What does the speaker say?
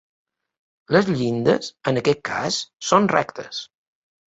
Les llindes, en aquest cas, són rectes.